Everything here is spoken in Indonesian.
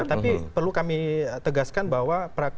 tapi perlu kami tegaskan bahwa